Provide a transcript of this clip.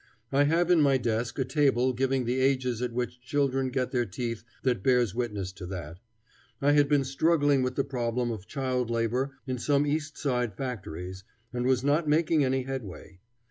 I have in my desk a table giving the ages at which children get their teeth that bears witness to that. I had been struggling with the problem of child labor in some East Side factories, and was not making any headway.